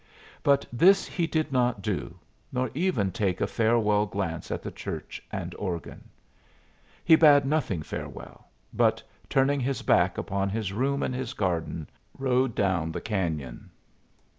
But this he did not do, nor even take a farewell glance at the church and organ. He bade nothing farewell, but, turning his back upon his room and his garden, rode down the caution.